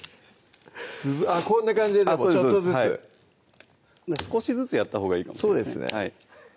こんな感じでちょっとずつはい少しずつやったほうがいいかもしれないですね